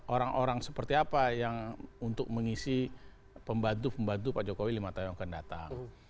orang orang seperti apa yang untuk mengisi pembantu pembantu pak jokowi lima tahun yang akan datang